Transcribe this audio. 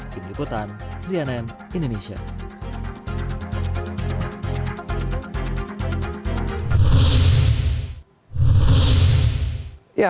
tim liputan cnn indonesia